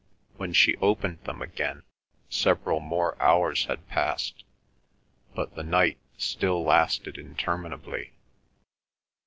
When she opened them again several more hours had passed, but the night still lasted interminably.